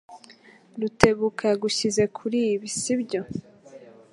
Rutebuka yagushyize kuri ibi, sibyo?